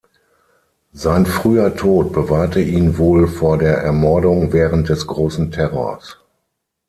Sein früher Tod bewahrte ihn wohl vor der Ermordung während des Großen Terrors.